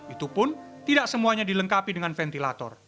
itu pun tidak semuanya dilengkapi dengan ventilator